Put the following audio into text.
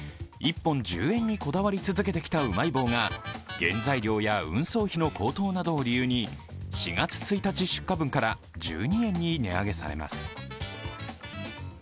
１本１０円にこだわり続けてきたうまい棒が原材料や運送費の高騰などを理由に４月１日出荷分から１２円に値上げされます。